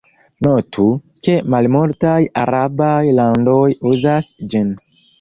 Notu, ke malmultaj arabaj landoj uzas ĝin.